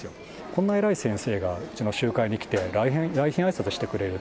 こんな偉い先生がうちの集会に来て、来賓あいさつしてくれる。